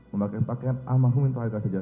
memakai pakaian al masrum yang terakhir kali saja